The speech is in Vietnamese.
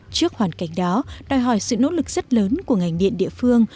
trước hoàn cảnh đó đòi hỏi sự nỗ lực rất lớn của ngành điện địa phương